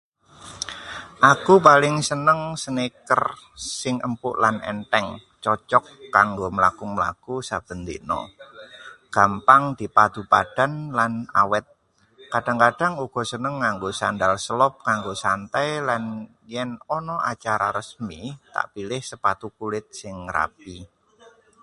Aku paling seneng sneakers sing empuk lan entheng, cocog kanggo mlaku-mlaku saben dina. Gampang dipadu padan lan awet. Kadhang-kadhang uga seneng nganggo sandal selop kanggo santai, lan yen ana acara resmi tak pilih sepatu kulit sing rapi.